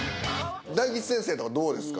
大吉先生とかどうですか？